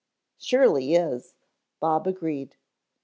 "Surely is," Bob agreed.